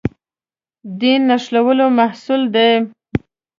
دین نښلولو محصول دی.